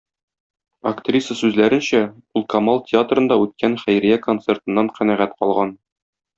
Актриса сүзләренчә, ул "Камал" театрында үткән хәйрия концертыннан канәгать калган.